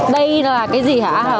đây là cái gì hả a hờ